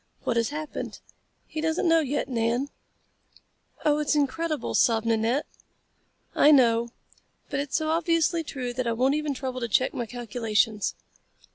What has happened? He doesn't know yet, Nan." "Oh, it's incredible," sobbed Nanette. "I know, but it's so obviously true that I won't even trouble to check my calculations."